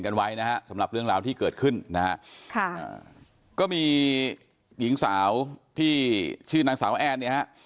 ไว้นะฮะสำหรับเรื่องราวที่เกิดขึ้นนะฮะค่ะก็มีหญิงสาวที่ชื่อนางสาวแอนเนี่ยฮะ